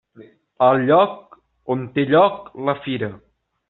El lloc on té lloc la fira.